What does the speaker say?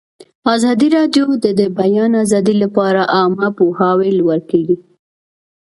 ازادي راډیو د د بیان آزادي لپاره عامه پوهاوي لوړ کړی.